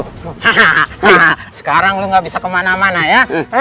nah sekarang lu gak bisa kemana mana ya